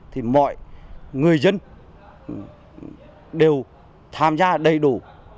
thì mọi người dân đều tham gia đầy đủ